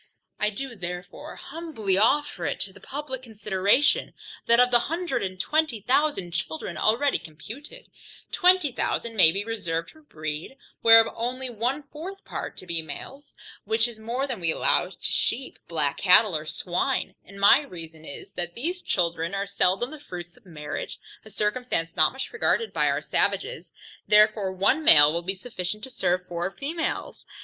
I do therefore humbly offer it to publick consideration, that of the hundred and twenty thousand children, already computed, twenty thousand may be reserved for breed, whereof only one fourth part to be males; which is more than we allow to sheep, black cattle, or swine, and my reason is, that these children are seldom the fruits of marriage, a circumstance not much regarded by our savages, therefore, one male will be sufficient to serve four females.